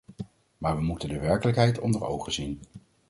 Maar we moeten de werkelijkheid onder ogen zien.